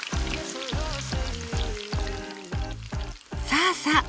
さあさあ